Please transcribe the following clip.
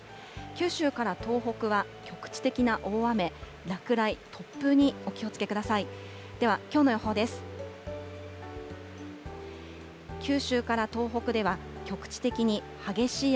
九州から東北は局地的な大雨、落雷、突風にお気をつけください。